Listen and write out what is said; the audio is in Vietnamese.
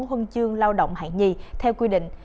huân chương lao động hạng nhì theo quy định